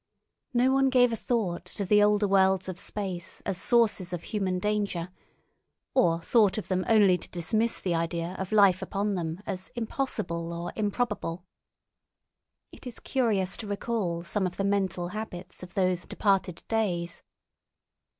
No one gave a thought to the older worlds of space as sources of human danger, or thought of them only to dismiss the idea of life upon them as impossible or improbable. It is curious to recall some of the mental habits of those departed days.